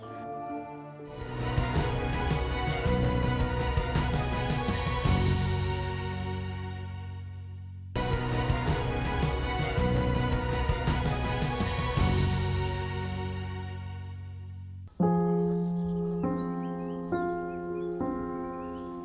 sampai jumpa lagi